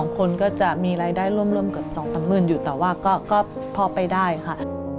คนก็จะมีรายได้ร่วมกับ๒๓๐๐๐อยู่แต่ว่าก็พอไปได้ค่ะ